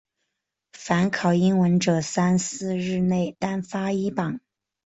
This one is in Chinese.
凡考英文者三四日内单发一榜。